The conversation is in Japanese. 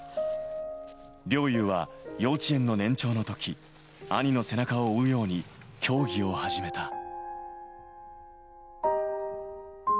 陵侑は幼稚園の年長の時、兄の背中を追うように競技を始めた。